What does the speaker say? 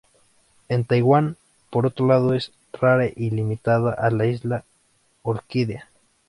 En Taiwán, por otro lado, es rara y limitada a la isla Orquídea.